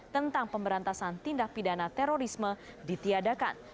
tentang pemberantasan tindak pidana terorisme ditiadakan